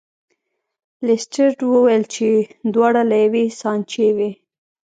لیسټرډ وویل چې دواړه له یوې سانچې وې.